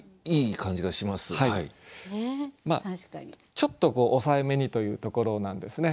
ちょっと抑えめにというところなんですね。